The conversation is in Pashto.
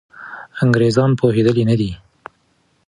انګریزان پوهېدلي نه دي.